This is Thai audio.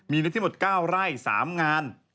มีในที่หมด๙ไร่๓งาน